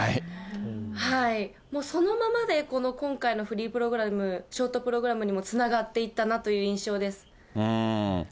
そのままで、今回のフリープログラム、ショートプログラムにもつながっていったなという印象です。